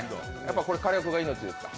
これ火力が命ですか？